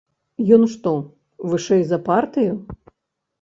Ён што, вышэй за партыю?